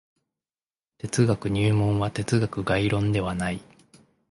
哲学入門は哲学概論ではない。